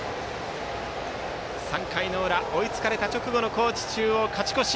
３回の裏、追いつかれた直後の高知中央、勝ち越し。